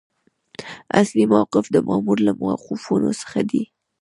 اصلي موقف د مامور له موقفونو څخه دی.